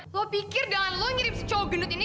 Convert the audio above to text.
lo pikir dengan lo ngirim si cowok gendut ini